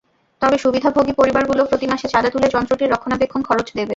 তবে সুবিধাভোগী পরিবারগুলো প্রতি মাসে চাঁদা তুলে যন্ত্রটির রক্ষণাবেক্ষণ খরচ দেবে।